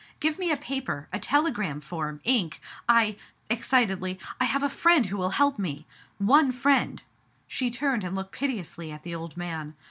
Give me a paper, a telegram form, ink — I — excitedly —" I have a friend who will help me. One friend," she turned and looked piteously at the old man.